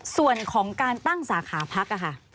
ส่วนของการตั้งสาขาพักค่ะ